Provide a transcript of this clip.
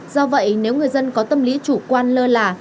do vậy nếu người dân có tâm lý chủ quan lơ là